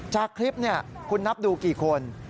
จากคลิปคุณนับดูกี่คน